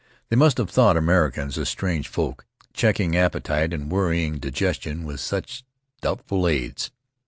They must have thought Americans a strange folk, checking appetite and worrying digestion with such doubtful aids.